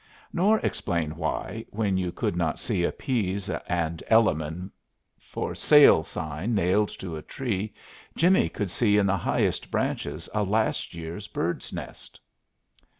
Nor explain why, when you could not see a Pease and Elliman "For Sale" sign nailed to a tree, Jimmie could see in the highest branches a last year's bird's nest.